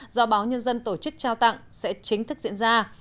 do báo nhân dân tổ chức trao tặng sẽ chính thức diễn ra